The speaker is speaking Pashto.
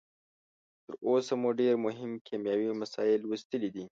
تر اوسه مو ډیر مهم کیمیاوي مسایل لوستلي دي.